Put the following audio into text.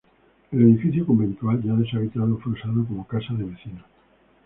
El edificio conventual, ya deshabitado, fue usado como casa de vecinos.